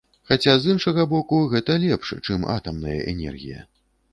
Хаця, з іншага боку, гэта лепш, чым атамная энергія.